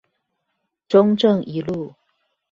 中正一路